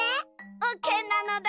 オーケーなのだ。